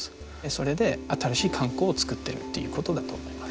それで新しい観光を作ってるっていうことだと思います。